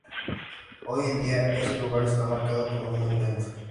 Hoy en día, ese lugar está marcado con un monumento.